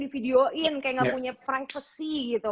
video in kayak gak punya privacy gitu